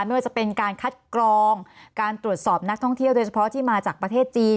ไม่ว่าจะเป็นการคัดกรองการตรวจสอบนักท่องเที่ยวโดยเฉพาะที่มาจากประเทศจีน